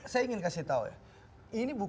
saya ingin kasih tahu ya